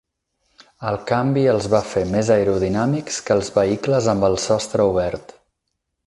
El canvi els va fer més aerodinàmics que els vehicles amb el sostre obert.